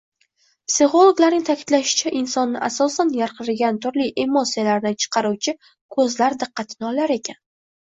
Psixologlarning ta`kidlashicha insonni asosan yarqiragan turli emosiyalarni chiqaruvchi ko`zlar diqqatini olar ekan